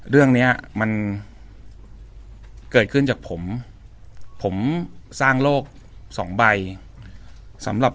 เรื่องเนี้ยมันเกิดขึ้นจากผมผมสร้างโลกสองใบสำหรับ